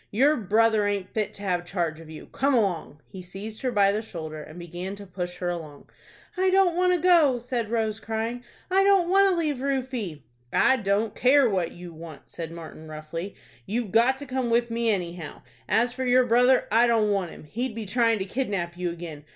Your brother aint fit to have charge of you. Come along." He seized her by the shoulder, and began to push her along. "I don't want to go," said Rose, crying. "I don't want to leave Rufie." "I don't care what you want," said Martin, roughly."You've got to come with me, anyhow. As for your brother, I don't want him. He'd be trying to kidnap you again.